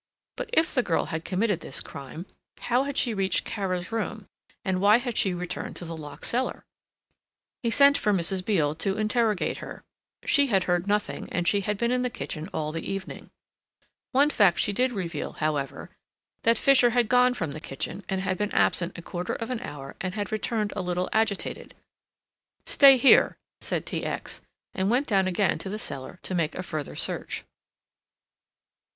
But if the girl had committed this crime, how had she reached Kara's room and why had she returned to the locked cellar! He sent for Mrs. Beale to interrogate her. She had heard nothing and she had been in the kitchen all the evening. One fact she did reveal, however, that Fisher had gone from the kitchen and had been absent a quarter of an hour and had returned a little agitated. "Stay here," said T. X., and went down again to the cellar to make a further search.